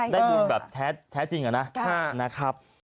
ได้บุญแบบแท้จริงนะครับ